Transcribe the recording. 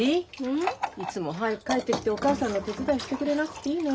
ん？いつも早く帰ってきてお母さんの手伝いしてくれなくていいのよ。